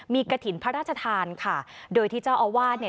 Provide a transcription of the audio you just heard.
มีกระถิ่นพระราชทานค่ะโดยที่เจ้าอาวาสเนี่ย